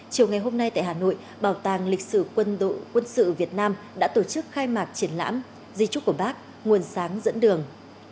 chiều ngày hôm nay tại hà nội bảo tàng lịch sử quân đội quân sự việt nam đã tổ chức khai mạc triển lãm di trúc của bác nguồn sáng dẫn đường